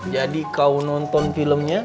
jadi kau nonton filmnya